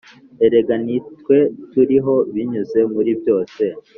erega nitwe turiho binyuze muri byose-